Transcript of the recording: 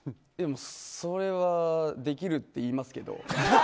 それは、できるって言いますけど。